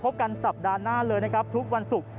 กันสัปดาห์หน้าเลยนะครับทุกวันศุกร์